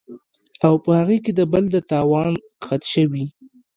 او پۀ هغې کې د بل د تاوان خدشه وي